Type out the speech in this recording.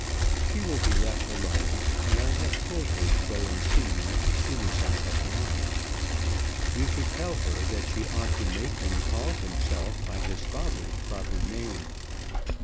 She will be left alone, and I have told her to go and see you as soon as I have gone. You should tell her that she ought to make him call himself by his father's proper name.